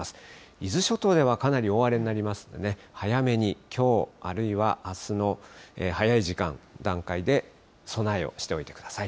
伊豆諸島ではかなり大荒れになりますので、早めにきょう、あるいはあすの早い時間、段階で備えをしておいてください。